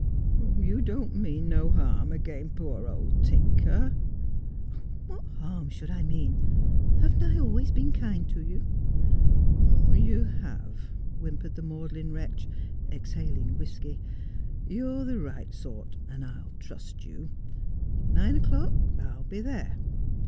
' You don't mean no harm agen poor old Tinker ?'' What harm should I mean 1 Haven't I always been kind to you 1 '' You have,' whimpered the maudlin wretch, exhaling whisky. ' You're the right sort, and I'll trust you. Nine o'clock? I'll be there.